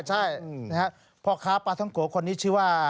ใช่นะฮะพ่อค้าปลาท้องโกะคนนี้ชื่อว่า